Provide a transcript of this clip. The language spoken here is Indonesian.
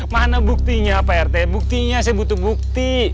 mana buktinya pak rt buktinya saya butuh bukti